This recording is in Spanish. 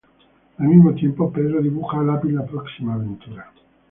Al mismo tiempo, Pedro dibuja a lápiz la próxima aventura.